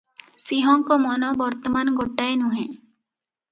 ସିଂହଙ୍କ ମନ ବର୍ତ୍ତମାନ ଗୋଟାଏ ନୁହେ;